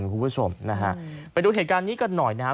คุณผู้ชมนะฮะไปดูเหตุการณ์นี้กันหน่อยนะฮะ